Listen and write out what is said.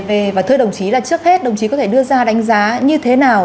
và trước hết đồng chí có thể đưa ra đánh giá như thế nào